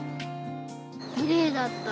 きれいだった。